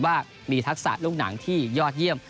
ว่ามีทักษะลูกหนังที่ยอดเยี่ยม